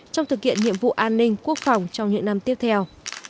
trong thực hiện nhiệm vụ an ninh quốc phòng trong những năm tiếp theo